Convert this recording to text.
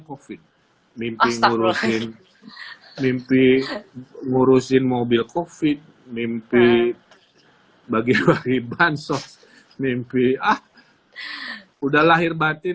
kofi mimpi ngurusin mimpi ngurusin mobil kofit mimpi bagi bagi bansos mimpi ah udah lahir batin